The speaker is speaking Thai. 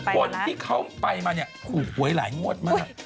คนที่เขาไปมาผมหวยหลายนวดมาก